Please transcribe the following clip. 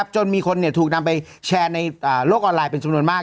จนมีคนถูกนำไปแชร์ในโลกออนไลน์เป็นจำนวนมาก